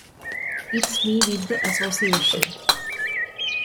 It's me with the association.